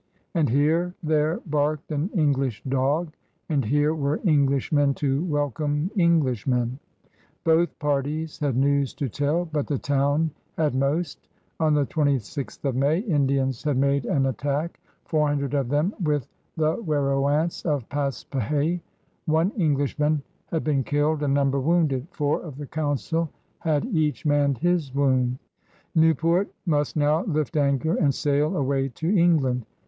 And here there barked an English dog, and here were Englishmen to welomie Englishmen* Both parties had news to tell, but the town had most. On the 26th oi May, Indians had made an attack — four hundred of them with the Werowanee of Paspihe. One Englishman had been killed, a number wounded. Four of the Council had each man his wound. Newport must now lift anchor and sail away to England.